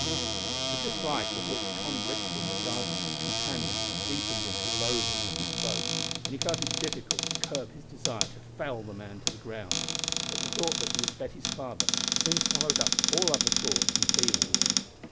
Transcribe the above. The dislike with which Tom Brixton regarded his companion deepened into loathing as he spoke, and he felt it difficult to curb his desire to fell the man to the ground, but the thought that he was Betty's father soon swallowed up all other thoughts and feelings.